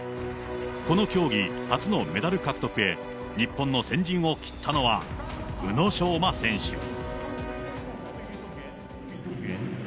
この競技初のメダル獲得へ、日本の先陣を切ったのは、宇野昌磨選手。